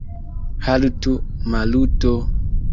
Haltu, Maluto!